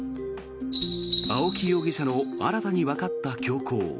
青木容疑者の新たにわかった凶行。